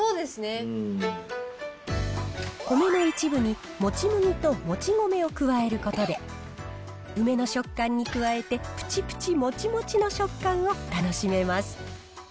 米の一部にもち麦ともち米を加えることで、梅の食感に加えて、ぷちぷち、もちもちの食感を楽しめます。